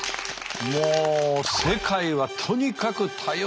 もう世界はとにかく多様性